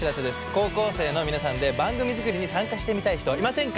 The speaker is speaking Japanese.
高校生の皆さんで番組作りに参加してみたい人いませんか？